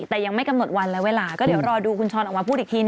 แต่ยังไม่กำหนดวันและเวลาก็เดี๋ยวรอดูคุณช้อนออกมาพูดอีกทีน